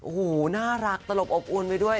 โอ้โหน่ารักตลบอบอุ่นไปด้วย